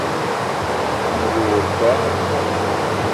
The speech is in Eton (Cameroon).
Me ye wo ba a tsos